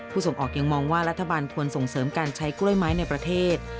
ส่งออกยังมองว่ารัฐบาลควรส่งเสริมการใช้กล้วยไม้ในประเทศ